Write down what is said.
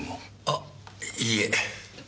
あっいいえ。